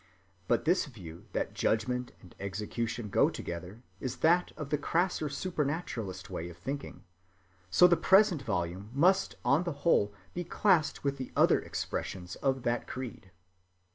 But this view that judgment and execution go together is that of the crasser supernaturalist way of thinking, so the present volume must on the whole be classed with the other expressions of that creed.